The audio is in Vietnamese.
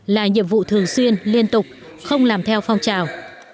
là nhiệm vụ thường xuyên liên tục không làm theo phong trào